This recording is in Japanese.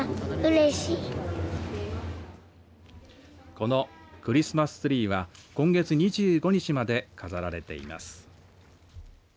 このクリスマスツリーは今月２５日まで飾られています。